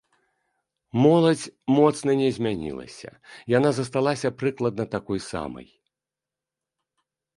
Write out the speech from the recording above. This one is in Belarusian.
Моладзь моцна не змянілася, яна засталася прыкладна такой самай.